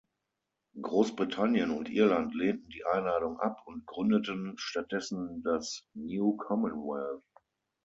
Großbritannien und Irland lehnten die Einladung ab und gründeten stattdessen das 'New Commonwealth'.